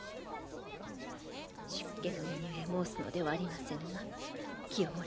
出家の身ゆえ申すのではありませぬが清盛